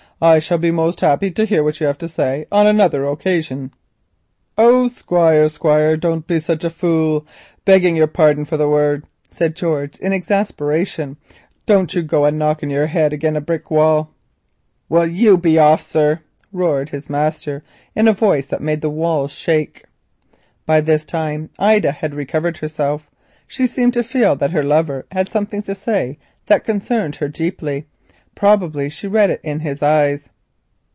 "I shall be most happy to hear what you have to say on another occasion." "Oh, Squire, Squire, don't be such a fule, begging your pardon for the word," said George, in exasperation. "Don't you go a knocking of your head agin a brick wall." "Will you be off, sir?" roared his master in a voice that made the walls shake. By this time Ida had recovered herself. She seemed to feel that her lover had something to say which concerned her deeply—probably she read it in his eyes.